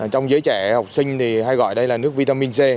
trong giới trẻ học sinh thì hay gọi đây là nước vitamin c